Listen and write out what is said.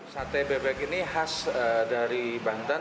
sate bebek ini khas dari banten